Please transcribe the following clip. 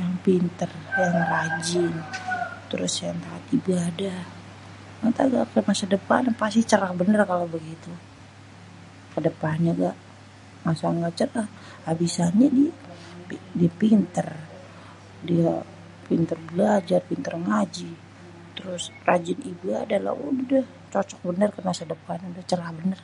yang pintèr, yang rajin, terus yang taat ibadah êntar juga buat masa depannyê pasti cerah bênêr kalau begitu kedepannyê juga masa ga cerah abisannyê diê, diê pintêr, diê pintêr belajar, diê pintêr ngaji, terus rajin ibadah udéh dêh cocok bênêr buat masa depan cerah bênêr.